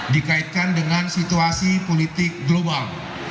dikaitkan dengan situasi politik global